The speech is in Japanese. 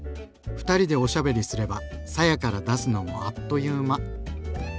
２人でおしゃべりすればさやから出すのもあっという間。